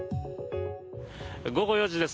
午後４時です。